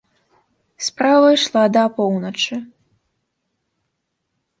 Справа ішла да апоўначы.